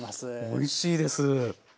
おいしいです。